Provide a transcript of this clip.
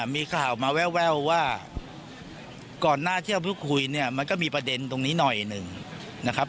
มีข่าวมาแววว่าก่อนหน้าที่เราเพิ่งคุยเนี่ยมันก็มีประเด็นตรงนี้หน่อยหนึ่งนะครับ